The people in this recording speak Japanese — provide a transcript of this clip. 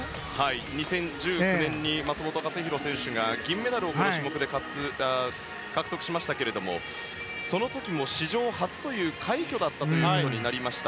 ２０１９年に松元克央選手が銀メダルをこの種目で獲得しましたがその時も史上初という快挙ということになりました。